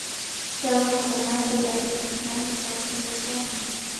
Challwakunaka yakupimillami kawsay ushan